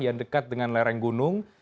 yang dekat dengan lereng gunung